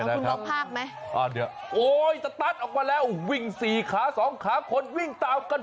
คุณบอกภาพไหมโอ้ยสตาร์ทออกมาแล้ววิ่งสี่ขาสองขาคนวิ่งตามกัน